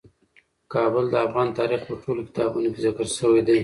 کابل د افغان تاریخ په ټولو کتابونو کې ذکر شوی دی.